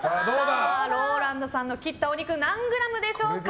ＲＯＬＡＮＤさんの切ったお肉何グラムでしょうか。